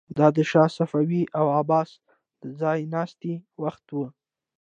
دا د شاه صفوي او عباس د ځای ناستي وخت و.